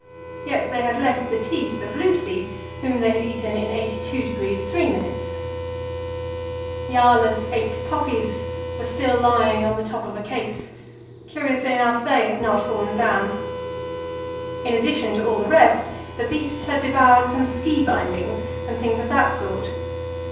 Yet they had left the teeth of Lucy, whom they had eaten in 82° 3'. Jaala's eight puppies were still lying on the top of a case; curiously enough, they had not fallen down. In addition to all the rest, the beasts had devoured some ski bindings and things of that sort.